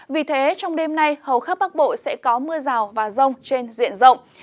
vì thế trong đêm nay hầu khắp bắc bộ sẽ có mưa rào và rông trên diện rộng